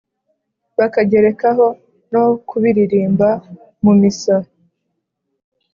bakagerekaho no kubiririmba mu misa,